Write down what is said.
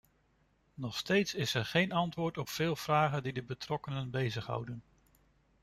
Nog steeds is er geen antwoord op veel vragen die de betrokkenen bezighouden.